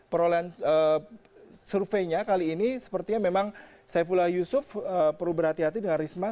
perolehan surveinya kali ini sepertinya memang saifullah yusuf perlu berhati hati dengan risma